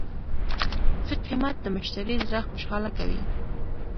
ښه قیمت د مشتری زړه خوشحاله کوي.